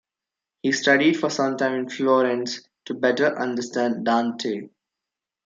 He studied for some time in Florence to better understand Dante.